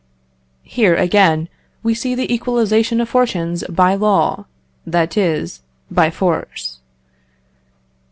Here, again, we see the equalisation of fortunes by law, that is, by force.